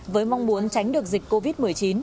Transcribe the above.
với mong muốn tránh được dịch covid một mươi chín